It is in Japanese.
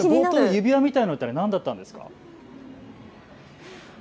指輪みたいなの、何だったんですか。